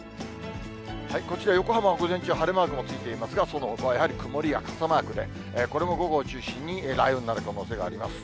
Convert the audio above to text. こちら、横浜は午前中、晴れマークもついていますが、そのほかはやはり曇りや傘マークで、これも午後を中心に雷雨になる可能性があります。